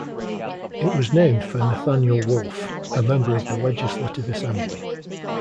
It was named for Nathaniel Wolfe, a member of the legislative assembly.